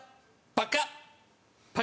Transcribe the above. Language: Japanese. パカッ！